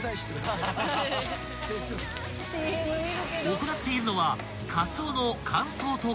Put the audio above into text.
［行っているのは］